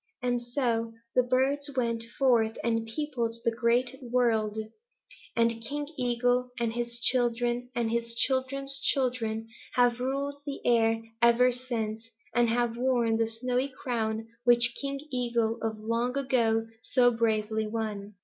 And so the birds went forth and peopled the Great World, and King Eagle and his children and his children's children have ruled the air ever since and have worn the snowy crown which King Eagle of long ago so bravely won."